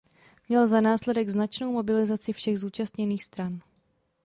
Měl za následek značnou mobilizaci všech zúčastněných stran.